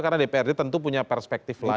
karena dprd tentu punya perspektif lain